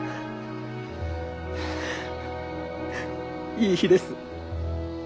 いい日です。